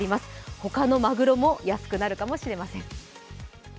他のマグロも安くなるかもしれません。